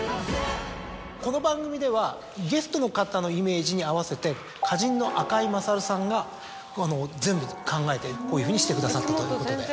この番組ではゲストの方のイメージに合わせて花人の赤井勝さんが全部考えてこういうふうにしてくださったということで。